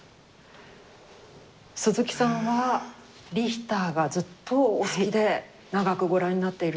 鈴木さんはリヒターがずっとお好きで長くご覧になっていると伺っていますけれど。